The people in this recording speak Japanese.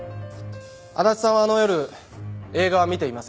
足立さんはあの夜映画は見ていません。